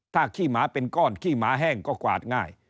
ถ้าขี้หมาเป็นก้อนขี้หมาแห้งก็กวาดง่าย